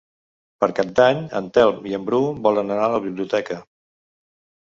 Per Cap d'Any en Telm i en Bru volen anar a la biblioteca.